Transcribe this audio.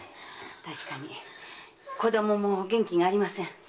確かに子供も元気がありません。